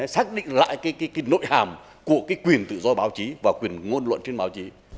xác định lại cái nội hàm của quyền tự do báo chí và quyền ngôn luận trên báo chí